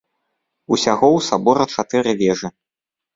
Усяго ў сабора чатыры вежы.